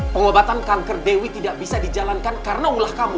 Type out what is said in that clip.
pengobatan kanker dewi tidak bisa dijalankan karena ulah kamu